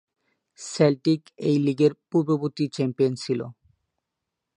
Celtic এই লীগের পূর্ববর্তী চ্যাম্পিয়ন ছিল।